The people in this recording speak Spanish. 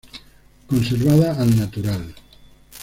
Conservada al natural.